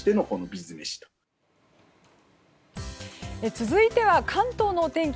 続いては関東のお天気。